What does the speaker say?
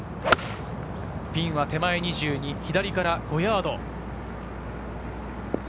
ピンは手前２２、左から５ヤード。